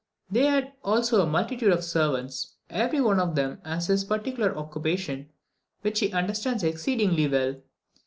They have also a multitude of servants, every one of whom has his particular occupation, which he understands exceedingly well.